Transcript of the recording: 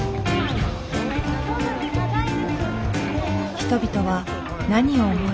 人々は何を思い